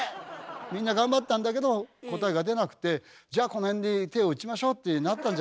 みんな頑張ったんだけど答えが出なくてじゃこの辺で手を打ちましょうってなったんじゃないですか？